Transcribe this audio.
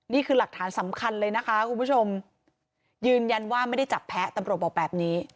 นี่คือหลักฐานสำคัญเลยนะคะคุณผู้ชมยืนยันว่าไม่ได้จับแพ้ตำรวจบอกแบบนี้